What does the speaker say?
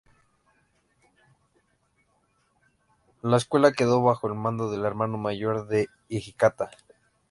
La escuela quedó bajo el mando del hermano mayor de Hijikata.